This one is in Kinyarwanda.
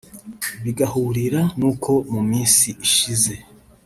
Bigahurira n’uko mu minsi ishize